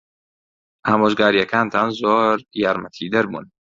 ئامۆژگارییەکانتان زۆر یارمەتیدەر بوون.